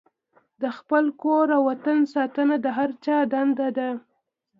د خپل کور او وطن ساتنه د هر چا دنده ده.